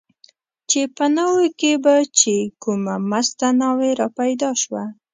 چې په ناوو کې به چې کومه مسته ناوې را پیدا شوه.